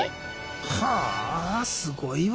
はあすごいわ。